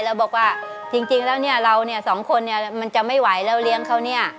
แล้วบอกว่าจริงแล้วเนี่ยเราเนี่ยสองคนเนี่ยมันจะไม่ไหวแล้วเลี้ยงเขาเนี่ย